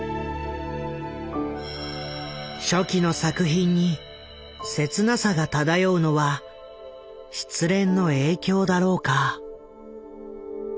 初期の作品に切なさが漂うのは失恋の影響だろうか。